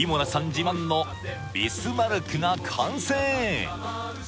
自慢のビスマルクが完成！